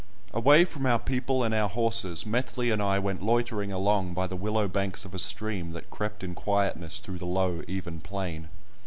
Away from our people and our horses, Methley and I went loitering along by the willow banks of a stream that crept in quietness through the low, even plain.